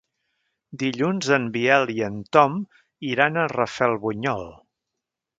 Dilluns en Biel i en Tom iran a Rafelbunyol.